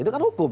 itu kan hukum